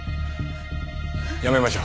やめましょう。